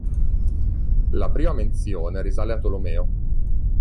La prima menzione risale a Tolomeo.